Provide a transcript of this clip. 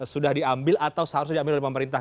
sudah diambil atau seharusnya diambil oleh pemerintah